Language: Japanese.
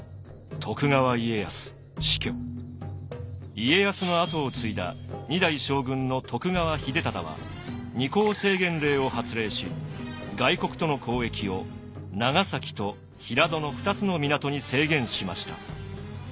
家康の跡を継いだ二代将軍の徳川秀忠は二港制限令を発令し外国との交易を長崎と平戸の２つの港に制限しました。